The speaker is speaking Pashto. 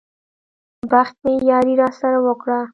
بخت مې ياري راسره وکړه.